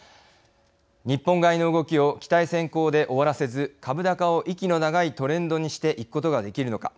日本買いの動きを期待先行で終わらせず株高を、息の長いトレンドにしていくことができるのか。